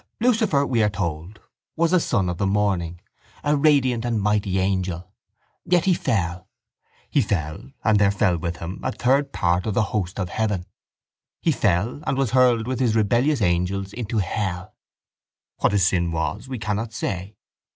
Lucifer, we are told, was a son of the morning, a radiant and mighty angel; yet he fell: he fell and there fell with him a third part of the host of heaven: he fell and was hurled with his rebellious angels into hell. What his sin was we cannot say.